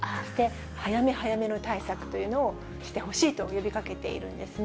早め早めの対策というのをしてほしいと呼びかけているんですね。